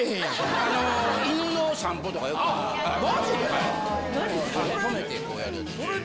あの、犬の散歩とか、よくやまじで？